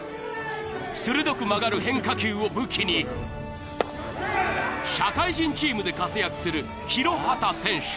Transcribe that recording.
鋭く曲がる変化球を武器に社会人チームで活躍する廣畑選手。